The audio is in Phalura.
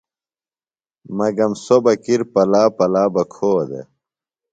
مگم سوۡ بہ کِر پلا پلا بہ کھو دےۡ۔